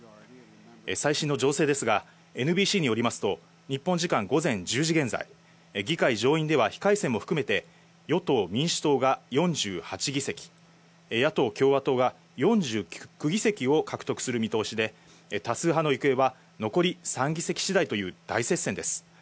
最新の情勢ですがＮＢＣによりますと、日本時間午前１０時現在、議会上院では非改選も含めて与党・民主党が４８議席、野党・共和党が４９議席を獲得する見通しで、多数派の行方は残り３議席次第という大接戦です。